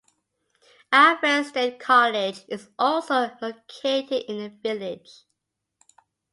Alfred State College is also located in the village.